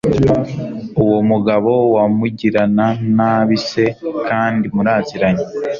uwo mugabo wumugirana nabi se kandi muraziranye!